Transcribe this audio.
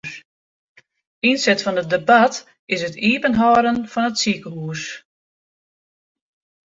Ynset fan it debat is it iepenhâlden fan it sikehús.